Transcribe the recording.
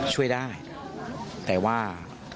ช่วยได้แต่ว่า